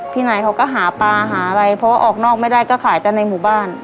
ที่ไหนเขาก็หาปลาหาอะไรเพราะว่าออกนอกไม่ได้ก็ขายแต่ในหมู่บ้าน